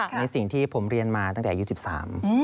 ในสิ่งที่ผมเรียนมาตั้งแต่อายุสิบสาม